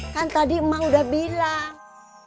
kan tadi emak udah bilang